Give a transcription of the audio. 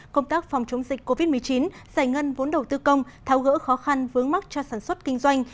công tác phòng chống dịch covid một mươi chín giải ngân vốn đầu tư công tháo gỡ khó khăn vướng mắc cho sản xuất kinh doanh